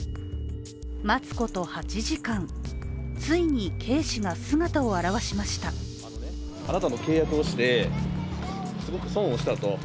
待つこと８時間ついにＫ氏が姿を現しました。